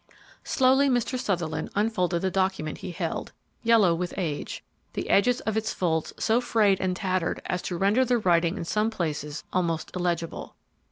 Slowly Mr. Sutherland unfolded the document he held, yellow with age, the edges of its folds so frayed and tattered as to render the writing in some places almost illegible.